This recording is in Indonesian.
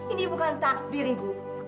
ini bukan takdir ibu